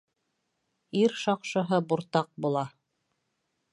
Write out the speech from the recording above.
Ир шаҡшыһы буртаҡ була.